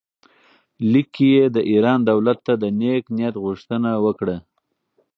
لیک کې یې د ایران دولت ته د نېک نیت غوښتنه وکړه.